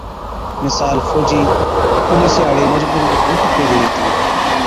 مثال فوجِي، پوليسي هاڙي مجبُورِي ۾ بُوٽ پيهري هِتي۔